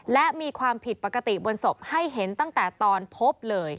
และมีความผิดปกติบนศพให้เห็นตั้งแต่ตอนพบเลย